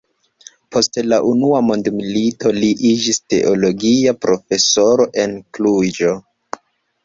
Post la unua mondmilito li iĝis teologia profesoro en Kluĵo.